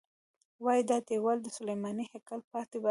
وایي دا دیوال د سلیماني هیکل پاتې برخه ده.